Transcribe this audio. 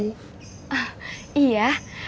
saya ini ketua umum musholah yang baru di kampungmu